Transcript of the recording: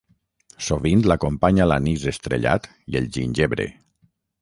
Sovint l'acompanya l'anís estrellat i el gingebre.